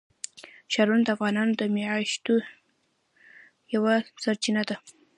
ښارونه د افغانانو د معیشت یوه سرچینه ده.